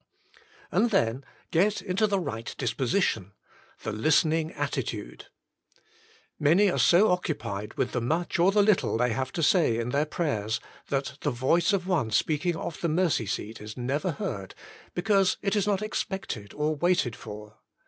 And then. Get into the Right Disposition — the listening attitude. Many are so occupied with the much or the little they have to say in their prayers, that the Voice of One speaking off the mercy seat is never heard, because it is not ex pected or waited for.